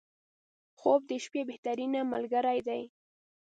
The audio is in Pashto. • خوب د شپې بهترینه ملګری دی.